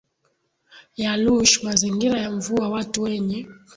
ya lush mazingira ya mvua watu wenye